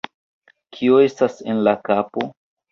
Kio estas en la kapo?